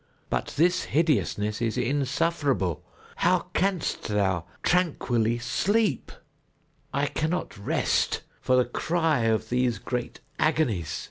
But this hideousness is insufferable. How canst thou tranquilly sleep? I cannot rest for the cry of these great agonies.